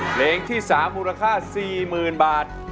เพลงที่๓มูลค่า๔๐๐๐บาท